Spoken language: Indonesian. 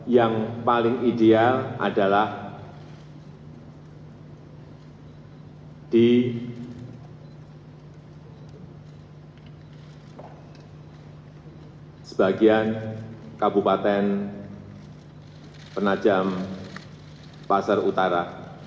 yang paling ideal adalah di sebagian kabupaten penajam pasar utara